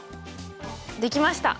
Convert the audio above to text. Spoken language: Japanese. できました！